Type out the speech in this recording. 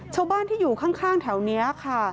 ชาวบ้านที่อยู่ข้างแถวนี้ค่ะ